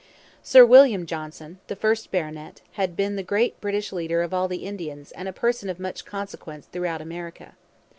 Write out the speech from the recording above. Sir William Johnson, the first baronet, had been the great British leader of the Indians and a person of much consequence throughout America.